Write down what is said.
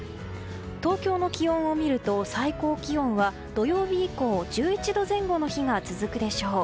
東京の気温を見ると最高気温は土曜日以降１１度前後の日が続くでしょう。